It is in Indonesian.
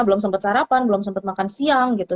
belum sempat sarapan belum sempat makan siang gitu